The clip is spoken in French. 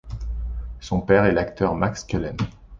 Son père est l'acteur Max Cullen.